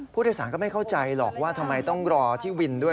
ผู้โดยสารก็ไม่เข้าใจหรอกว่าทำไมต้องรอที่วินด้วย